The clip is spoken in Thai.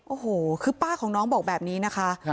โอ้โหคือป้าของน้องบอกแบบนี้นะคะ